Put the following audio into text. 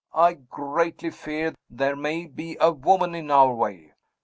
I greatly fear there may be a woman in our way.